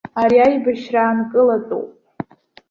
Ари аибашьра аанкылатәуп.